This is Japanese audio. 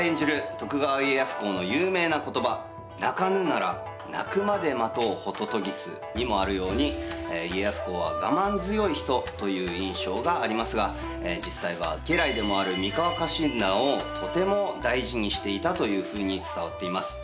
徳川家康公の有名な言葉にもあるように家康公はがまん強い人という印象がありますが実際は家来でもある三河家臣団をとても大事にしていたというふうに伝わっています。